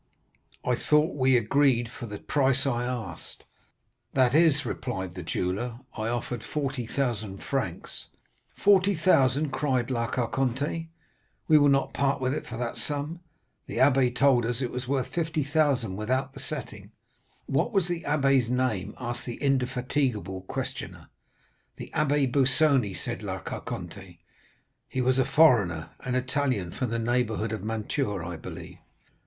'I thought we agreed for the price I asked.' "'That is,' replied the jeweller, 'I offered 40,000 francs.' 'Forty thousand,' cried La Carconte; 'we will not part with it for that sum. The abbé told us it was worth 50,000 without the setting.' "'What was the abbé's name?' asked the indefatigable questioner. "'The Abbé Busoni,' said La Carconte. "'He was a foreigner?' "'An Italian from the neighborhood of Mantua, I believe.